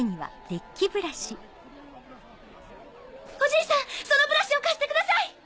おじいさんそのブラシを貸してください！